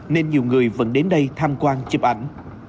nên nhiều người vẫn đến đây tham quan chụp ảnh